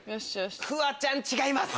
フワちゃん違います！